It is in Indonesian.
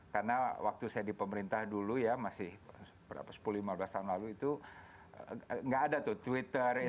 karena waktu saya di pemerintah dulu ya masih berapa sepuluh lima belas tahun lalu itu nggak ada tuh twitter